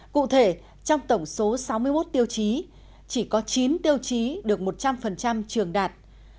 cụ thể trong tổng số sáu mươi một tiêu chí chỉ có chín tiêu chí được một trăm linh trường đạt